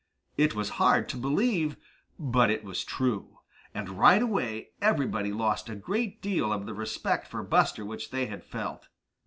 It was hard to believe, but it was true. And right away everybody lost a great deal of the respect for Buster which they had felt.